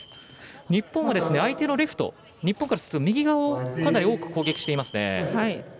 日本は相手のレフト日本からすると右側をかなり多く攻撃してますね。